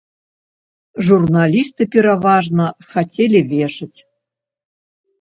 Журналісты пераважна хацелі вешаць.